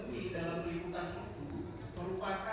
tidak tahu pak